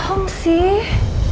kenapa kamu bohong sih